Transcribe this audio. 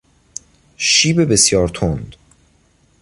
شیب بسیار تند